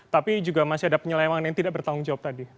tapi juga masih ada penyelewangan yang tidak bertanggung jawab tadi